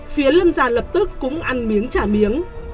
phía lâm già lập tức cũng ăn miếng trả miếng